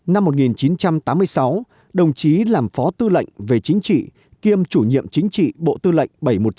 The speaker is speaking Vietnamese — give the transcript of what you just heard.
năm một nghìn chín trăm tám mươi sáu đồng chí làm phó tư lệnh về chính trị kiêm chủ nhiệm chính trị bộ tư lệnh bảy trăm một mươi chín